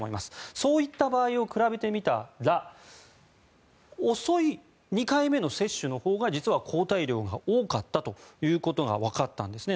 そういった場合を比べてみたら遅い２回目の接種のほうが実は抗体量が多かったということがわかったんですね。